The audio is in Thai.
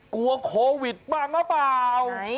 กลัวโควิดบ้างหรือเปล่า